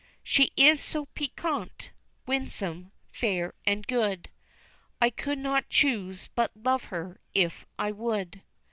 "She is so piquant, winsome, fair, and good, I could not choose but love her if I would."